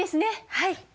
はい。